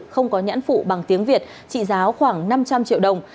không có nhãn phụ bằng tiếng việt trị giá khoảng năm trăm linh triệu đồng